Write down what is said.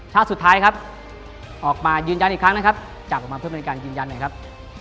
ชาติสุดท้ายครับออกมายืนยันอีกครั้งนะครับจับออกมาเพื่อเป็นการยืนยันหน่อยครับ